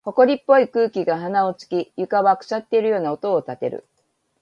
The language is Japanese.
埃っぽい空気が鼻を突き、床は腐っているような音を立てる。